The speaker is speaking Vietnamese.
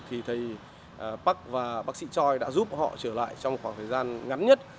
thì thầy park và bác sĩ choi đã giúp họ trở lại trong khoảng thời gian ngắn nhất